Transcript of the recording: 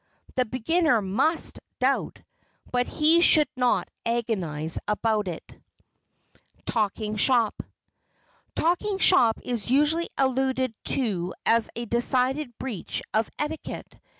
The beginner must doubt, but he should not agonize about it. [Sidenote: TALKING SHOP] "Talking shop" is usually alluded to as a decided breach of etiquette.